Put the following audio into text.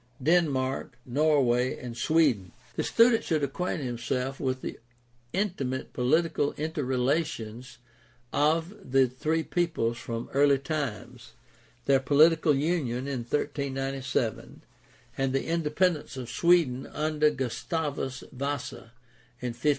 Denmark, Norway, and Sweden. — The student should acquaint himself with the intimate political interrelations of the three peoples from early times, their political union in 1397, and the independence of Sweden under Gustavus Vasa in 1523.